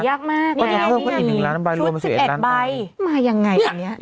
ยากมากแหละนี่ยังมีชุด๑๑ใบมายังไงแบบเนี้ย